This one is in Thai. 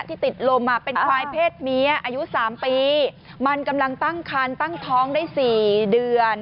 ติดลมเป็นควายเพศเมียอายุ๓ปีมันกำลังตั้งคันตั้งท้องได้๔เดือน